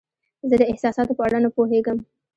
زه د احساساتو په اړه نه پوهیږم.